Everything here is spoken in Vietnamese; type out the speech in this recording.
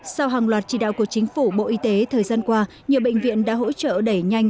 sau hàng loạt chỉ đạo của chính phủ bộ y tế thời gian qua nhiều bệnh viện đã hỗ trợ đẩy nhanh